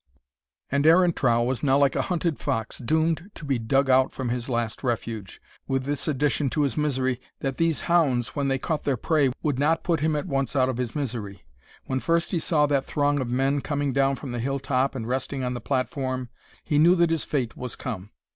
And Aaron Trow was now like a hunted fox, doomed to be dug out from his last refuge, with this addition to his misery, that these hounds when they caught their prey, would not put him at once out of his misery. When first he saw that throng of men coming down from the hill top and resting on the platform; he knew that his fate was come.